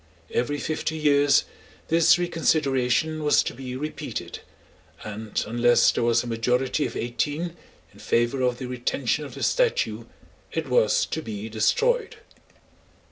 Every fifty years this reconsideration was to be repeated, and unless there was a majority of eighteen in favour of the retention of the statue, it was to be destroyed.